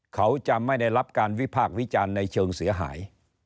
เขาจะไม่ได้รับการวิพากษ์วิจารณ์ในเชิงเสียหาย